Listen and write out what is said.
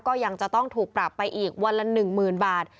ก็ยังจะต้องถูกปรับไปอีกวันละ๑๐๐๐บาท